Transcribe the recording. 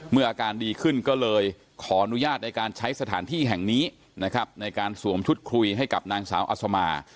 อาการดีขึ้นก็เลยขออนุญาตในการใช้สถานที่แห่งนี้นะครับในการสวมชุดคุยให้กับนางสาวอัศมา